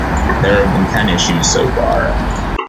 There have been ten issues so far.